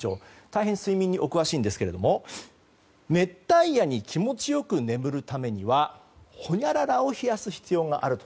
大変睡眠にお詳しいんですが熱帯夜に気持ちよく眠るためにはほにゃららを冷やす必要がある。